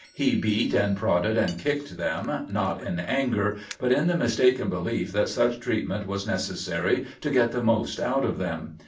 He beat and prodded and kicked them, not in anger but in the mistaken belief that such treatment was necessary to get the most out of them.